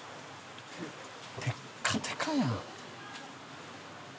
テッカテカやん。